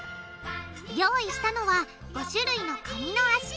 用意したのは５種類のカニの脚。